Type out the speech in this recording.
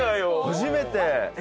初めて。